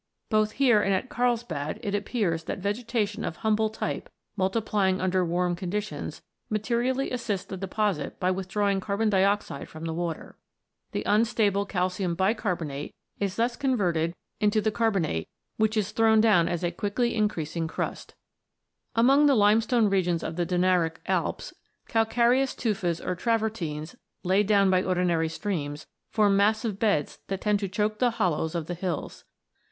Both here and at Karlsbad, it appears that vegetation of humble type, multiplying under warm conditions, materially assists the deposit by with drawing carbon dioxide from the water. The unstable calcium bicarbonate is thus converted into the 16 ROCKS AND THEIR ORIGINS [CH. carbonate, which is thrown down as a quickly in creasing crust. Among the limestone regions of the Dinaric Alps, calcareous tufas or travertines, laid down by ordinary streams, form massive beds that tend to choke the hollows of the hills.